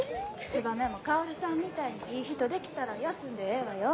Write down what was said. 燕も薫さんみたいにいい人できたら休んでええわよ。